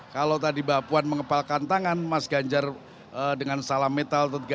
kalau tadi mbak puan mengepalkan tangan mas ganjar dengan salam metal